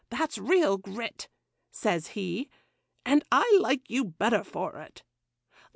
that's real grit," says he, "and I like you better for it."